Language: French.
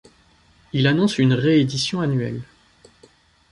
Il annonce une réédition annuelle.